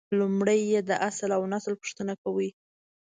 لومړی یې د اصل اونسل پوښتنه کوي.